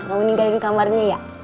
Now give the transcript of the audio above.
gak mau meninggalkan kamarnya ya